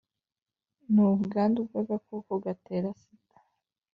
N ubwandu bw agakoko gatera sida